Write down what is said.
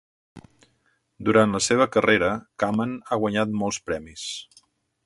Durant la seva carrera, Kamen ha guanyat molts premis.